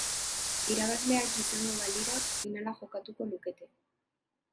Irabazleak izango balira finala jokatuko lukete.